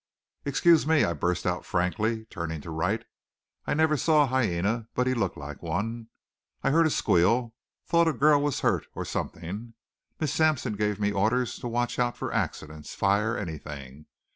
"Excuse me," I burst out frankly, turning to Wright. I never saw a hyena, but he looked like one. "I heard a squeal. Thought a girl was hurt, or something. Miss Sampson gave me orders to watch out for accidents, fire, anything.